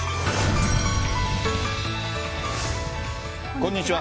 こんにちは。